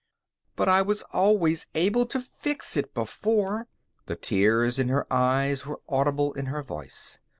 "But I was always able to fix it before!" The tears in her eyes were audible in her voice.